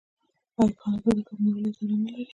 آیا کاناډا د کب نیولو اداره نلري؟